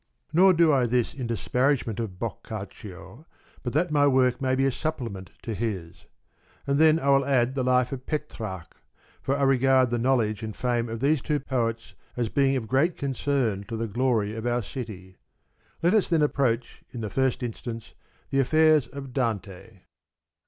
Nor do I this in disparagement of Boccaccio, but that my work may be a supplement to his. And then I will add the life of Petrarch, for I regard the knowledge and fame of these two poets as being of great concern to the glory of our city. Let us then approach in the first instance, the affairs of Dante.